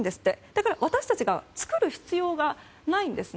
だから、私たちが作る必要がないんです。